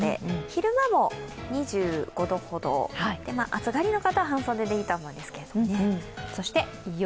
昼間も２５度ほどで、暑がりの方は半袖でいいと思うんですけどね。